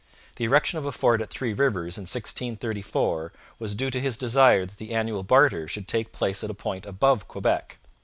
The erection of a fort at Three Rivers in 1634 was due to his desire that the annual barter should take place at a point above Quebec.